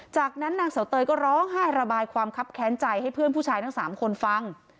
จากนั้นนางเสาเตยก็ร้องไห้ระบายความคับแค้นใจให้เพื่อนผู้ชายทั้ง๓คนฟัง